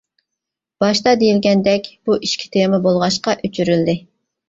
باشتا دېيىلگەندەك، بۇ ئىچكى تېما بولغاچقا ئۆچۈرۈلدى.